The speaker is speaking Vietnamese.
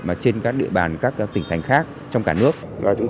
mà trên các địa bàn các tỉnh thành khác trong cả nước